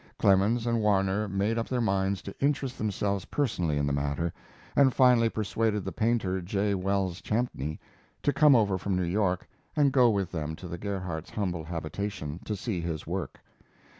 Clemens and Warner made up their minds to interest themselves personally in the matter, and finally persuaded the painter J. Wells Champney to come over from New York and go with them to the Gerhardts' humble habitation, to see his work.